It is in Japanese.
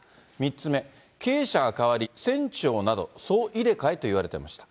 ３つ目、経営者が代わり、船長などそう入れ替えといわれていました。